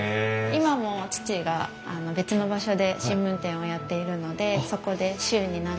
今も父が別の場所で新聞店をやっているのでそこで週に何回か配達をしています。